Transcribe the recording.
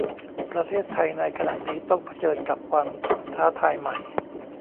ประเทศไทยในขณะนี้ต้องเผชิญกับความท้าทายใหม่